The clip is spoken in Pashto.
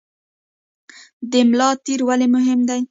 د ملا تیر ولې مهم دی؟